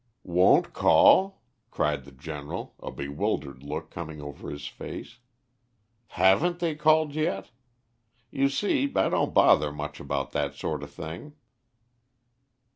"Won't call?" cried the General, a bewildered look coming over his face. "Haven't they called yet? You see, I don't bother much about that sort of thing."